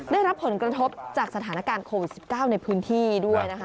ได้รับผลกระทบจากสถานการณ์โควิด๑๙ในพื้นที่ด้วยนะคะ